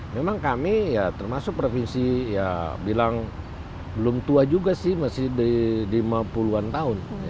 memang kami ya termasuk provinsi ya bilang belum tua juga sih masih di lima puluh an tahun